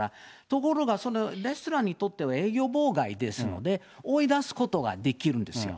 ところが、そのレストランにとっては営業妨害ですので追い出すことができるんですよ。